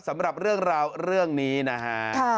สำหรับเรื่องราวเรื่องนี้นะฮะ